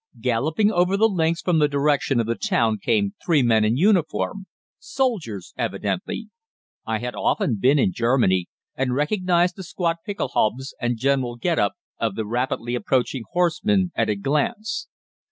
Galloping over the links from the direction of the town came three men in uniform soldiers, evidently. I had often been in Germany, and recognised the squat pickelhaubes and general get up of the rapidly approaching horsemen at a glance.